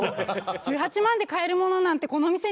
１８万で買えるものなんてこの店にないですよね？